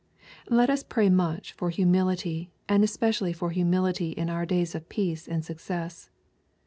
Let us pray much for humility, and especially fpr humility in our days of peace and success.